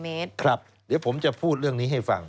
สวัสดีครับคุณผู้ชมค่ะต้อนรับเข้าที่วิทยาลัยศาสตร์